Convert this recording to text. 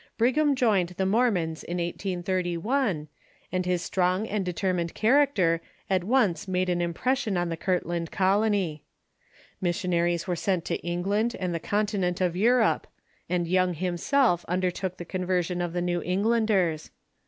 Brigham joined the Mormons in 1831, and his strong and determined character at once made an impression on the Kirtland colony. Missionaries were sent to England and the continent of Europe, and Young himself undertook the conversion of the New Englanders.